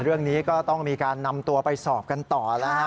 เรื่องนี้ก็ต้องมีการนำตัวไปสอบกันต่อแล้วฮะ